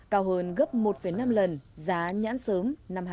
cao hơn gấp một năm lần giá nhãn sớm năm hai nghìn một mươi tám